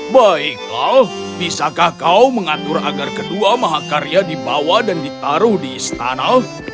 baiklah bisakah kau mengatur agar kedua mahakarya dibawa dan ditaruh di istana